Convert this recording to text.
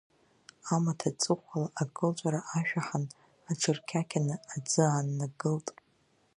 Амаҭ аҵыхәала акылҵәара ашәаҳан, аҽырқьақьаны аӡы ааннакылт.